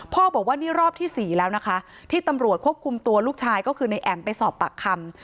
บอกว่านี่รอบที่๔แล้วนะคะที่ตำรวจควบคุมตัวลูกชายก็คือในแอ๋มไปสอบปากคำ